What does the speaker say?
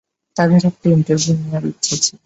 তাঁদের একটা ইন্টারভ্যু নেয়ার ইচ্ছা ছিল।